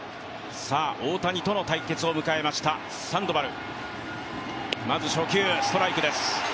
大谷との対決を迎えました、サンドバル。